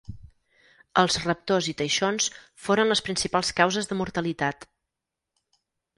Els raptors i teixons foren les principals causes de mortalitat.